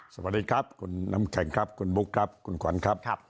สวัสดีครับคุณน้ำแข็งครับคุณบุ๊คครับคุณขวัญครับ